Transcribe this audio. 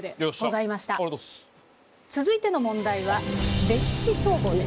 続いての問題は「歴史総合」です。